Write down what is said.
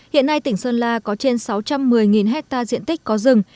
hiện nay tỉnh sơn la có trên sáu trăm một mươi hectare diện tích có rừng